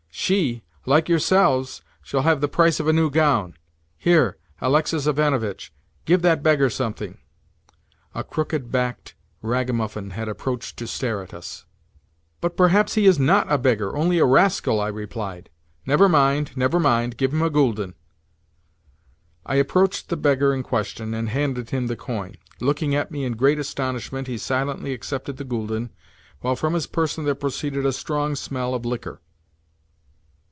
"She, like yourselves, shall have the price of a new gown. Here, Alexis Ivanovitch! Give that beggar something" (a crooked backed ragamuffin had approached to stare at us). "But perhaps he is not a beggar—only a rascal," I replied. "Never mind, never mind. Give him a gülden." I approached the beggar in question, and handed him the coin. Looking at me in great astonishment, he silently accepted the gülden, while from his person there proceeded a strong smell of liquor.